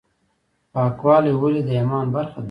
پاکوالی ولې د ایمان برخه ده؟